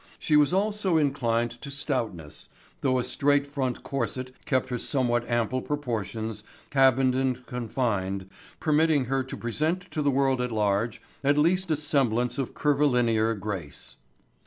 She was also inclined to stoutness, though a straight front corset kept her somewhat ample proportions cabined and confined permitting her to present to the world at large at least a semblance of curvilinear grace.